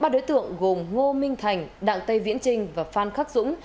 ba đối tượng gồm ngô minh thành đặng tây viễn trinh và phan khắc dũng